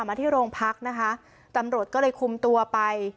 มาที่โรงพักนะคะตำรวจก็เลยคุมตัวไป